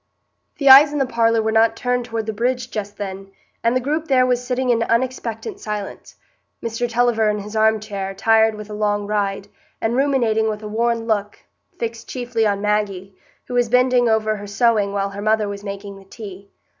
The eyes in the parlour were not turned toward the bridge just then, and the group there was sitting in unexpectant silence,—Mr Tulliver in his arm chair, tired with a long ride, and ruminating with a worn look, fixed chiefly on Maggie, who was bending over her sewing while her mother was making the tea.